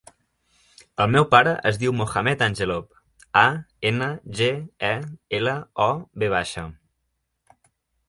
El meu pare es diu Mohamed Angelov: a, ena, ge, e, ela, o, ve baixa.